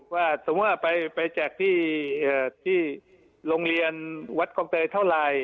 ว่าสมมุติว่าไปแจกที่โรงเรียนวัดคลองเตยเท่าไหร่